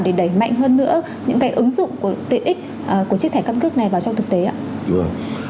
để đẩy mạnh hơn nữa những cái ứng dụng của tiện ích của chiếc thẻ căn cấp này vào trong thực tế ạ